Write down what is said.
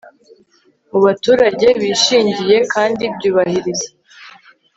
mu baturage bishingiye kandi byubahiriza